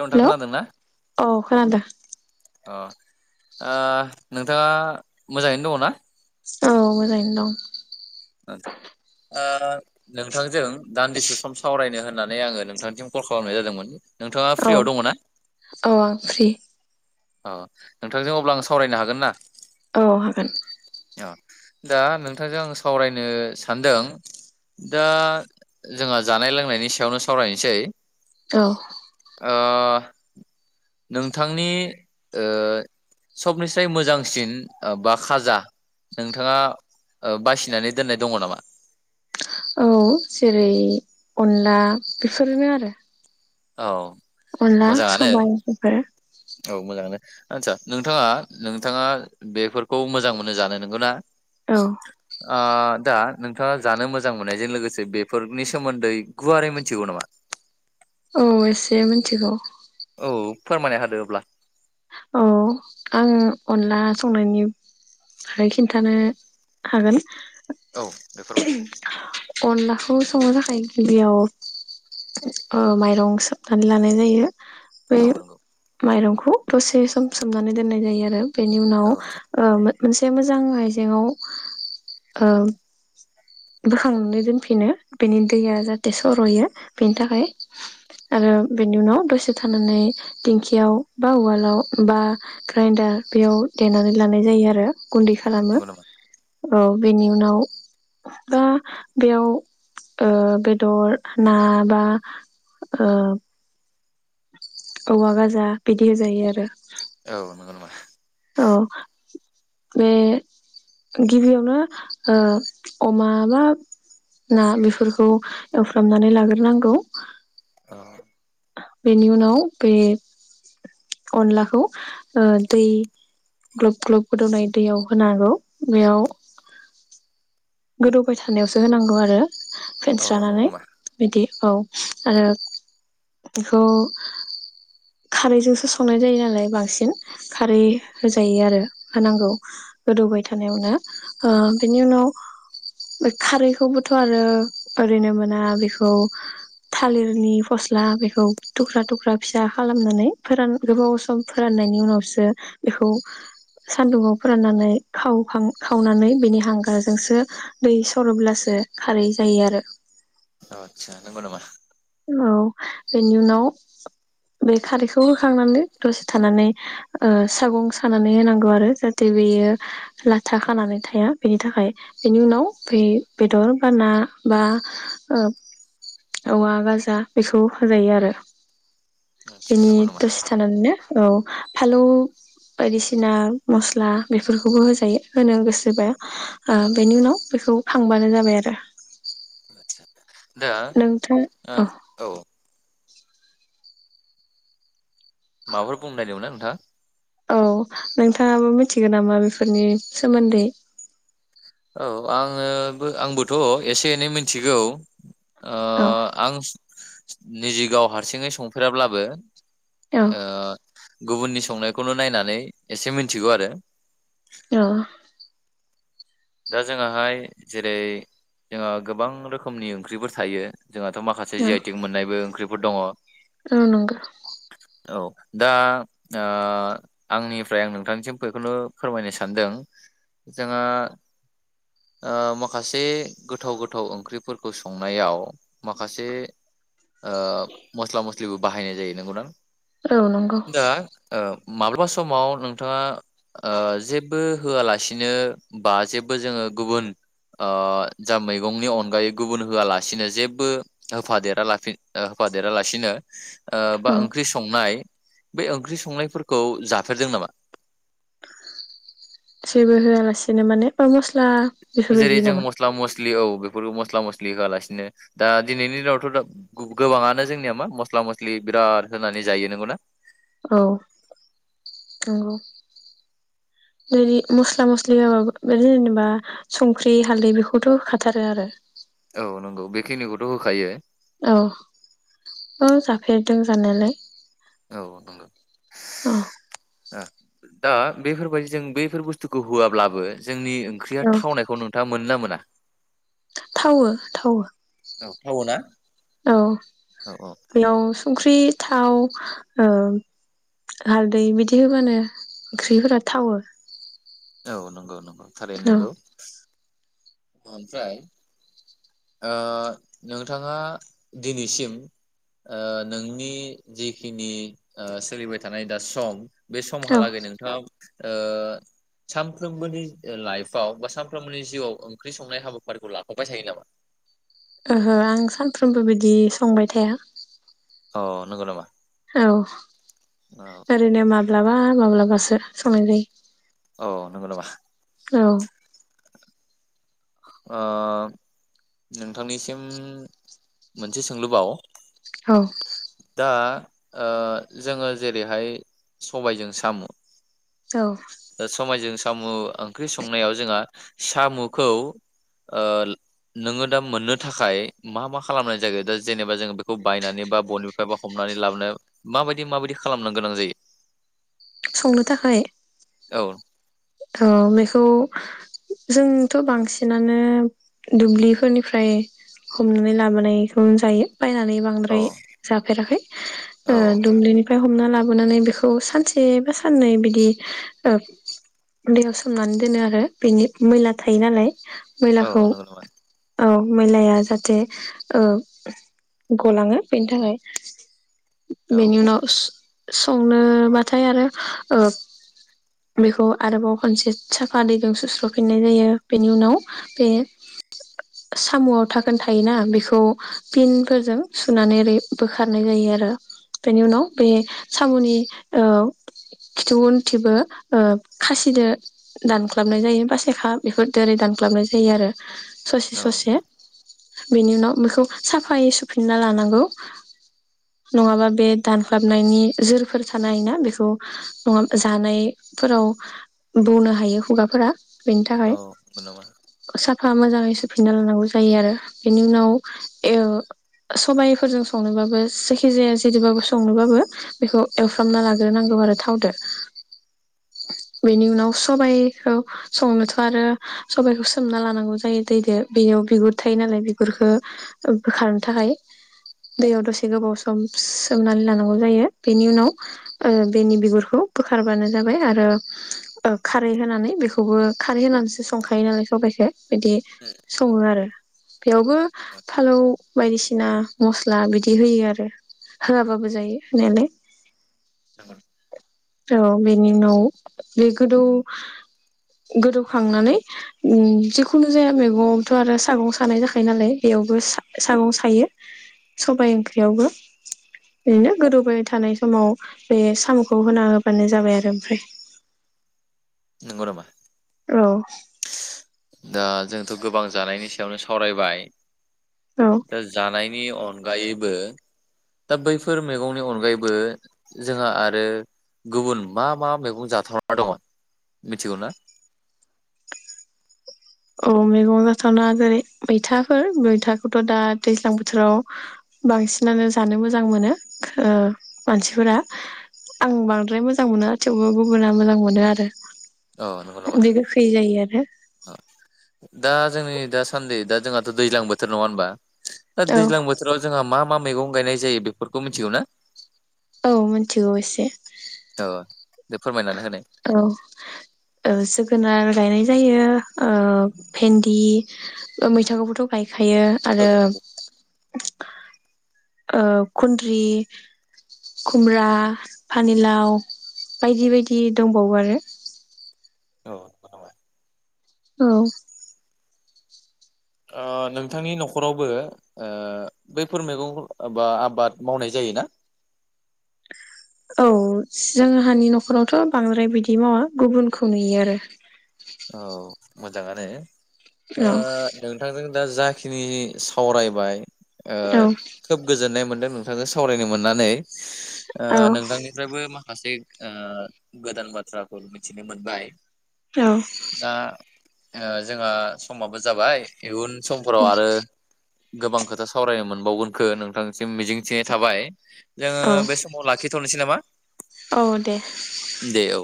नोंथां हेल' खोनादोंना औ खोनादों। अ ओ नोंथाङा मोजाङैनो दङ ना? औ मोजाङैनो दं। ओ नोंथांजों दान्दिसे सम सावरायनो होननानै आङो नोंथांथिम कल खालामनाय जादोंमोन। नोंथाङा औ फ्रियाव दङ ना? औ आं फ्रि। औ नोंथांजों अब्ला आं सावरायनो हागोन ना? औ हागोन। अ दा नोंथांजों आं सावरायनो सानदों दा जोंहा जानाय लोंनायनि सायावनो सावरायनोसै। औ ओ नोंथांनि ओ सबनिफ्राय मोजांसिन ओ बा खाजा नोंथाङा ओ बासिनानै दोननाय दङ नामा? औ जेरै अनला बेफोरनो आरो। औ अनला मोजाङानो सबाय बेफोरो। औ मोजाङानो आदसा नोंथाङा नोंथाङा बेफोरखौ मोजां मोनो जानो नंगौ ना? औ आ दा नोंथाङा जानो मोजां मोननायजों लोगोसे बेफोरनि सोमोन्दै गुवारै मिथिगौ नामा? औ एसे मिथिगौ। औ फोरमायना होदो अब्ला? औ आङो अनला संनायनि बारै खिन्थानो हागोन। औ दे फोरमाय। खौ संनो थाखाय गिबियाव ओ माइरं सोबनानै लानाय जायो। बे औ नंगौ माइरंखौ बेखौ दसे सम सोमनानै दोननाय जायो आरो। बेनि औ उनाव आदसा ओ मोनसे मोजां आइजेंआव ओम बोखांनानै दोनफिनो बेनि दैया जाहाथे सर'यो बेनि थाखाय‌। आरो बेनि उनाव दसे थानानै देंखियाव बा उवालाव बा ग्रेइन्डार बेयाव देनानै लानाय जायो आरो। गुन्दै खालामो नंगौ नामा? औ बेनि उनाव बा बेयाव ओ बेदर ना बा ओ औवा गाजा बिदि होजायो आरो। औ नंगौ नामा? औ। बे गिबियावनो ओ अमा बा ना बेफोरखौ एवफ्रामनानै लाग्रोनांगौ। [inaudible] बेनि उनाव बे अनलाखौ ओ दै ग्लुब ग्लुब गोदौनाय दैयाव होनांगौ बेयाव गोदौबाय थानायावसो होनांगौ आरो। औ नंगौ फेन्स्रानानै नामा बिदि। औ। आरो बेखौ खारैजोंसो संनाय जायो नालाय बांसिन खारै होजायो आरो होनांगौ गोदौबाय थानायावनो। ओ बेनि उनाव बे खारैखौबोथ' आरो ओरैनो मोना बेखौ थालिरनि फस्ला बे खौ थुख्रा थुख्रा फिसा खालामनानै फोरान गोबाव सम फोराननायनि उनावसो बेखौ सानदुंआव फोराननानै खावखां खावनानै बेनि हांगारजोंसो दै सरोब्लासो खारै जायो आरो। अ' आतसा नंगौ नामा? औ। बेनि उनाव बे खारिखौ खौ होखांनानै दसे थानानै ओ सागं सानानै होनांगौ आरो जाहाथे बेयो लाथा खानानै थाया बेनि थाखाय। बेनि उनाव बै बेदर बा ना बा ओ औवा गाजा बेखौ होजायो आरो। आदसा बिनि नंगौ नामा दसे थानानैनो औ फालौ बायदिसिना मस्ला बेफोरखौबो होजायो होनो गोसोबा ओ बेनि औ उनाव बेखौ खांबानो जाबाय आरो। आदसा दा नोंथां औ। ओ औ माबाफोर बुंनो नागिरदोंमोनना नोंथाङा? औ नोंथाङाबो मिथिगोन नामा बेफोरनि सोमोन्दै? औ आङोबो आंबोथ' एसे एनै मिथिगौ। ओ औ आं निजि गाव हारसिङै संफेराब्लाबो औ ओ गुबुननि संनायखौनो नायनानै एसे मिथिगौ आरो। औ दा जोङाहाय जेरै जोंहा गोबां रोखोमनि ओंख्रिफोर थायो। जोंहाथ' माखासे जि औ आइटिक मोननायबो ओंख्रि फोर दङ। औ नंगौ। औ दा ओ आंनिफ्राय आं नोंथांनिसिम बेखौनो फोरमायनो सानदों। जोंहा ओ माखासे गोथाव गोथाव ओंख्रिफोरखौ संनायाव माखासे ओ मस्ला मस जेबो बाहायनाय जायो नंगौनां? औ नंगौ दा ओ माब्लाबा समाव नोंथाङा ओ जेबो होआलासिनो बा जेब बो जोङो गुबुन ओ जा मैगंनि अनगायै गुबुन होआलासिनो जेबो होफादेरालाफि होफादेरा लासिनो ओ औ बाओंख्रि संनाय बे ओंख्रि संनायफोरखौ जाफेरदों नामा? सेबो होआलासेनो बा मस्ला जेरै बेफोरबायदि जों नामा मस्ला मस्लि औ। बेफोरो मस्ला मस्लि होआलासिनो दा दिनैनि दिनावथ' दा गोबाङानो जोंनिया मा मस्ला मस्लि बिराद होनानै जायो नंगौना? औ नंगौ बि मस्ला मस्लिाबाबो बिनो जेनेबा संख्रि हालदै बेखौथ' खाथारो आरो। औ नंगौ बेखिनिखौथ' होखायो। औ औ जाफेरदों जानायालाय। औ नंगौ। औ दा बेफोरबाय जों बैफोर बुस्थुखौ होआब्लाबो जोंनि ओंख्रिया औ थावनायखौ नोंथा मोनना मोना? थावो थावो। औ थावो ना? औ बेयाव संख्रि थाव ओम हालदै बिदि होबानो ओंख्रिफोरा थावो। औ नंगौ न थारैनो औ नोंगौ। ओमफ्राय ओ नोंथाङा दिनैसिम ओ नोंनि जिखिनि ओ सोलिबाय थानाय दा सम बे औ समहालागै नोंथाङा ओ सानफ्रोमबोनि लाइफआव बा सानफ्रोमबोनि जिउआव ओंख्रि संनाय हाबाफारिखौ लाखरबाय थायो नामा? ओहो आं सानफ्रोमबो बिदि संबाय थाया। अ नंगौ नामा? औ औ ओरैनो माब्लाबा माब्लाबा समजायो औ नंगौ नामा? ओ नोंथांनिसिम मोनसे सोंलुबाव औ। दा जोङो जेरैहाय सबायजों साम'। औ दा समायजों साम' ओंख्रि संनायाव जोंहा साम'खौ नोङो दा मोननो थाखाय मा मा खालामनाय जायो दा जेनेबा जोङो बेखौ बायनानै बा बनिफ्राय बा हमनानै लाबोनो माबायदि माबायदि खालामनो गोनां जायो। संनो थाखाय औ। औ बेखौ जोंथ' बांसिनानो दुब्लिफोरनिफ्राय हमनानै लाबोनायखौनो जायो। बायनानै बांद्राय जाफेराखै ओ दुब्लिनिफ्राय हमना लाबो नानै बेखौ सानसे बा साननै बिदि उन्दैयाव सोमनानै दोनो आरो बेनि मैला थायो नालाय। औ मैलाखौ नंगौ नामा? औ। मैलाया जाहाथे ओ गलाङो बेनि थाखाय औ बेनि उनाव संनोबाथाय आरो ओ बेखौ आरोबाव खनसे साफा दैजों सुस्रफिननाय जायो बेनि उनाव बे सामुआव धाखोन थायोना बेखौ फिनफोरजों सुनानै ओरै बोखारनाय जायो आरो बेनि उनाव बे सामुनि ओ खिथु उन्थिबो ओ खासिदो दानख्लाबनाय जायो बासखा बेफोरदो दानख्लाबनाय जायो आरो। ससे औ ससे। बेनि उनाव बेखौ साफायै सुफिनना लानांगौ नङाबा बे दानख्लाबनायनि जोरफोर थानो हायोना बेखौ नङाब जानायफोराव बौनो हायो खुगाफोरा। बेनि थाखाय औ नंगौ नामा? साफा मोजाङै सोफिनना लानांगौ जायो आरो बेनि उनाव ओ सबाइफोरजों संनोबाबो जेखिजाया जेदोबाबो संनोबाबो बेखौ एवफ्रामना लाग्रोनांगौ आरो थावदो। बेनि उनाव सबाइखौ संनोथ' आरो सबाइखौ सोमना लानांगौ जायो दैदो बेयाव बिगुर थायो नालाय बिगुरखो बोखारनो थाखाय दैयाव दसे गोबाव सम सोमनानै लानांगौ जायो बेनि उनाव बेनि बिगुरखौ बोखारबानो जाबाय आरो खारै होनानै बेखौबो खारै होनानैसो संखायो नालाय सबाइखो बिदि सङो आरो। बेयावबो फालौ बायदिसिना मस्ला बिदि होयो आरो होआबाबो जायो होनायालाय औ बेनि उनाव बे गोदौ गोदौखांनानै जिखुनु जाया मैगङावथ' आरो सागं सानाय जाखायो नालाय बेयावबो सागं सायो सबाय ओंख्रियावबो बिदिनो गोदौबाय थानाय समाव बे साम'खौ होना होबानो जाबाय आरो ओमफ्राय। नोंगौ नामा? औ। दा जोंथ' गोबां जानायनि सायावनो सावरायबाय। औ दा जानाय नि अनगायैबो दा बैफोर मैगंनि अनगायैबो जोंहा आरो गुबुन मा मा मैगं जाथावना दङ मिथिगौ ना? औ मैगं जाथावना जेरै मैथाफोर मैथाखौथ' दा दैज्लां बोथोराव बांसिनानो जानो मोजां मोनो ओ मानसिफोरा आं बांद्राय मोजां मोना थेवबो गुबुना मोजां मोनो आरो। औ नंगौ नामा बे गोखै जायो आरो। [unintelligible] दा जोंनि दासान्दि दा जोंहाथ' दैज्लां बोथोर नङा होनबा? दा औ दैज्लां बोथोराव जोंहा मा मा मैगं गायनाय जायो बेफोरखौ मिथिगौ ना? औ मोनथिगौ इसे अ। औ ओ जोगोनार गायनाय जायो ओ भेन्दि ओ मैथाखौबोथ' गाय खायो औ आरो नंगौ ओ खुन्द्रि खुमब्रा फानिलाव बायदि बायदि दंबावो आरो। औ [unintelligible] औ ओ नोंथांनि न'खरावबो ओ बैफोर मैगंख' बा आबाद मावनाय जायोना? औ जोंहानि न'खरावथ' बांद्राय बिदि मावा गुबुनखौ नुयो आरो। औ मोजाङानो ओ औ नोंथांजों दा जाखिनि सावरायबाय ओ औ खोब गोजोननाय मो नोंथांजों सावरायनो मोननानै ओ नोंथांनिफ्रायबो माखासे ओ गोदान बाथ्राखौ मिथिनो मोनबाय। औ दा ओ जोंहा समाबो जाबाय इयुन समफोराव आरो गोबां खोथा सावरायनो मोनबावगोनखो नोंथांसिम मिजिंथिनाय थाबाय जोङो औ बे समाव लाखिथ'नोसै नामा? औ दे दे औ।